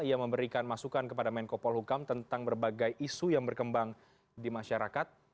ia memberikan masukan kepada menko polhukam tentang berbagai isu yang berkembang di masyarakat